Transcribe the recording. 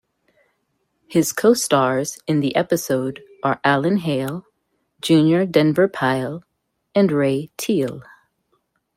His co-stars in the episode are Alan Hale, Junior Denver Pyle, and Ray Teal.